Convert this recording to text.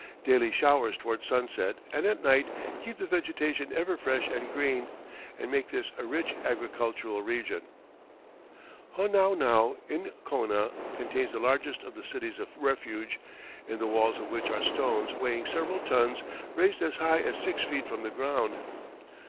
Daily showers toward sunset and at night keep the vegetation ever fresh and green, and make this a rich agricultural region. Honaunau, in Kona, contains the largest of the "cities of refuge," in the walls of which are stones weighing several tons raised as high as six feet from the ground.